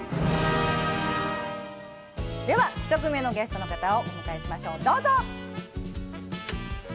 では１組目のゲストの方をお迎えしましょう、どうぞ。